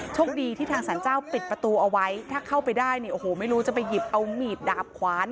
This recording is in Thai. โชคดีที่ทางสารเจ้าปิดประตูเอาไว้ถ้าเข้าไปได้เนี่ยโอ้โหไม่รู้จะไปหยิบเอามีดดาบขวาน